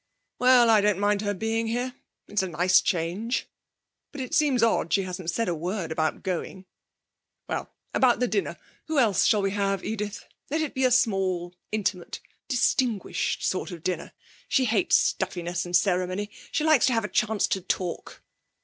'Well, I don't mind her being here; it's a nice change, but it seems odd she hasn't said a word about going. Well, about the dinner. Who else shall we have, Edith? Let it be a small, intimate, distinguished sort of dinner. She hates stiffness and ceremony. She likes to have a chance to talk.'